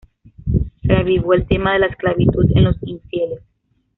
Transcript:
Reavivó el tema de la esclavitud en los infieles.